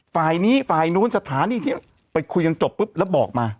ฝ่ายนี้ฝ่ายนู้นสถานที่ที่ไปคุยกันจบปุ๊บแล้วบอกมา